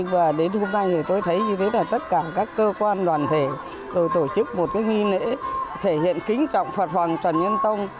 và đến hôm nay thì tôi thấy như thế là tất cả các cơ quan đoàn thể đều tổ chức một nghi lễ thể hiện kính trọng phật hoàng trần nhân tông